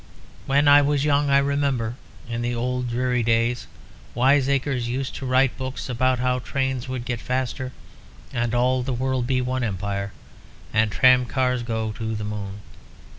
When I was young I remember, in the old dreary days, wiseacres used to write books about how trains would get faster, and all the world be one empire, and tram cars go to the moon.